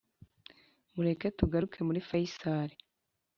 mureke tugaruke muri fayisal